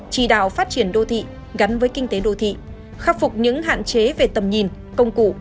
chỉ đạo phát triển đô thị gắn với kinh tế đô thị khắc phục những hạn chế về tầm nhìn công cụ